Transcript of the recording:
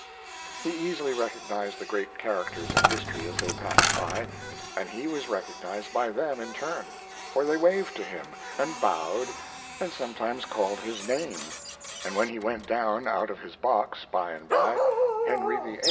He easily recognized the great characters of history as they passed by, and he was recognized by them in turn; for they waved to him and bowed and sometimes called his name, and when he went down out of his box, by and by, Henry VIII.